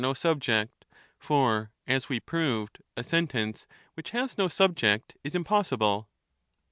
no subject, for, as we proved, a sentence which has no subject is impossible.